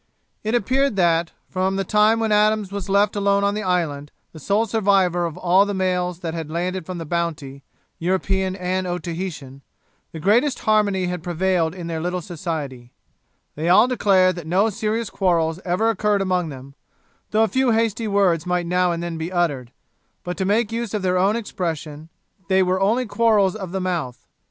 It appeared that, from the time when Adams was left alone on the island, the sole survivor of all the males that had landed from the Bounty, European and Otaheitan, the greatest harmony had prevailed in their little society; they all declared that no serious quarrels ever occurred among them, though a few hasty words might now and then be uttered, but, to make use of their own expression, they were only quarrels of the mouth.